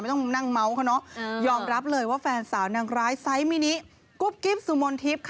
ต้องนั่งเมาส์เขาเนอะยอมรับเลยว่าแฟนสาวนางร้ายไซส์มินิกุ๊บกิ๊บสุมนทิพย์ค่ะ